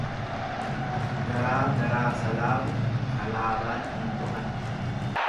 Garaa garaa salaabu salaabaan hin dhokatu.